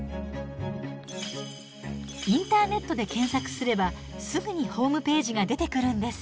インターネットで検索すればすぐにホームページが出てくるんです。